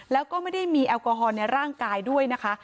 แล้วก็ไม่ได้มีแอลกอฮอลในร่างกายด้วยนะคะ